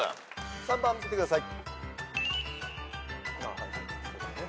３番見せてください。